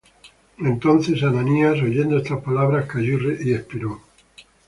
Entonces Ananías, oyendo estas palabras, cayó y espiró.